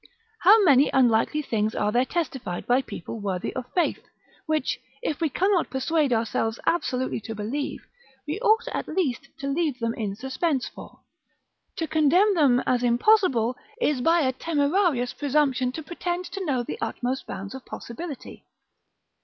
How many unlikely things are there testified by people worthy of faith, which, if we cannot persuade ourselves absolutely to believe, we ought at least to leave them in suspense; for, to condemn them as impossible, is by a temerarious presumption to pretend to know the utmost bounds of possibility.